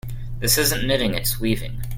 This isn't knitting, its weaving.